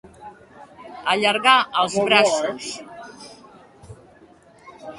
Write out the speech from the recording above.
Allargar els braços.